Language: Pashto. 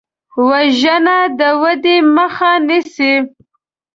وژنه د ودې مخه نیسي